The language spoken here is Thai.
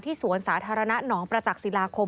สวนสาธารณะหนองประจักษิลาคม